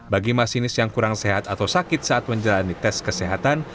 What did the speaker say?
bagi masinis yang kurang sehat atau sakit saat menjalani tes kesehatan